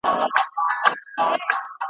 چي پښېمانه سوه له خپله نصیحته ,